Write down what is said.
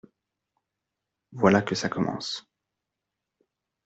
Voilà que ça commence.